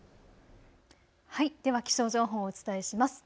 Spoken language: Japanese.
では気象情報をお伝えします。